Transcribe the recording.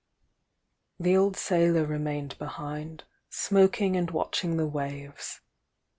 The old sailor remained behind, smoking and watching the waves.